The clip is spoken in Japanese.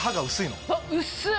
あっ薄い！